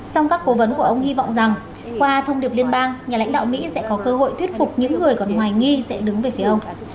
song các cố vấn của ông hy vọng rằng qua thông điệp liên bang nhà lãnh đạo mỹ sẽ có cơ hội thuyết phục những người còn hoài nghi sẽ đứng về phía ông